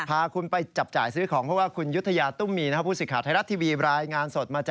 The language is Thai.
พาคุณไปจับจ่ายเสื้อของเพราะว่าคุณยุทย์ทะยาตุ้มมี่นะฮะ